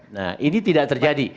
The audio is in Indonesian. nah ini tidak terjadi